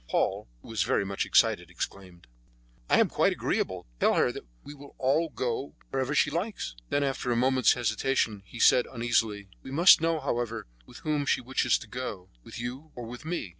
Paul, who 'was very much excited, exclaimed: "I am quite agreeable. Tell her that we will go wherever she likes." Then, after a moment's hesitation, he said uneasily: "We must know, however, with whom she wishes to go—with you or with me?"